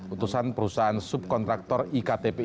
utusan perusahaan subkontraktor iktp